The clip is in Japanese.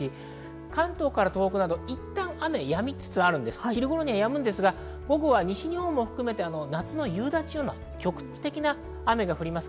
関東、東北などいったん雨はやみつつありますが、午後は西日本を含めて夏の夕立のような局地的な雨が降ります。